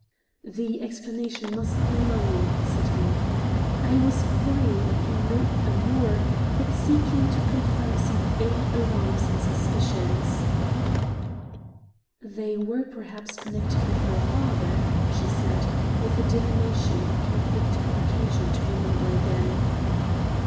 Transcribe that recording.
"The explanation must be mine," said he. "I was prying upon no amour, but seeking to confirm some vague alarms and suspicions." "They were, perhaps, connected with my father," she said, with a divination that Count Victor had occasion to remember again.